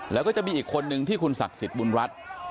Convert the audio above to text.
แล้วก็จะมีอีกคนนึงที่คุณศักดิ์สิทธิ์บุญรัฐ